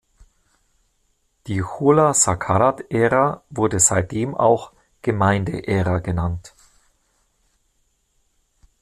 Die Chula-Sakarat-Ära wurde seitdem auch „Gemeine Ära“ genannt.